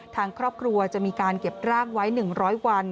ทางครอบครัวจะมีการเก็บร่างไว้๑๐๐วัน